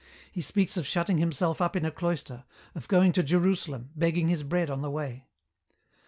He speaks of shutting himself up in a cloister, of going to Jerusalem, begging his bread on the way.